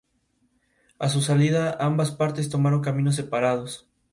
Goða-kviðr estaba opuesto al Búa-kviðr.